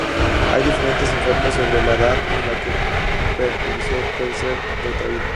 Hay diferentes informes sobre la edad a la que el prepucio puede ser retraído.